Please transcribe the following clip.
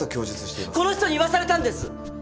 この人に言わされたんです！